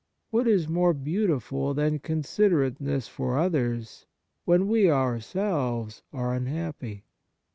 What is more beautiful than considerate ness for others when we ourselves are un happy